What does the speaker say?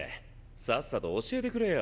さっさと教えてくれよ。